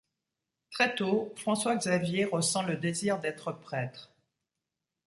Très tôt, François-Xavier ressent le désir d'être prêtre.